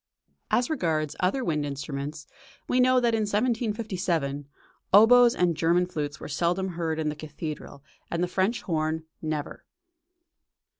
As regards other wind instruments, we know that in 1757, "Oboes and German flutes were seldom heard in the cathedral, and the French horn, never."